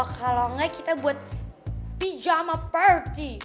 kalau nggak kita buat pajama party